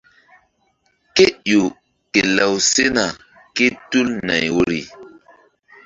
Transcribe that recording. Kéƴo ke law sena kétul nay woyri.